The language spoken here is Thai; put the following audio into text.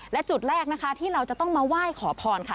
และจุดแรกนะคะที่เราจะต้องมาไหว้ขอพรค่ะ